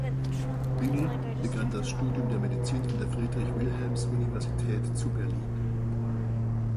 Bingel begann das Studium der Medizin an der Friedrich-Wilhelms-Universität zu Berlin.